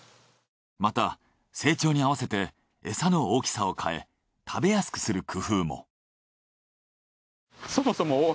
また成長に合わせてエサの大きさを変え食べやすくする工夫も。